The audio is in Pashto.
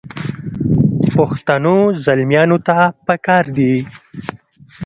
پښتنو زلمیانو ته پکار دي.